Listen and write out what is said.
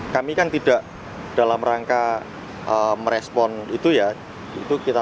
kami kan tidak dalam rangka merespon itu ya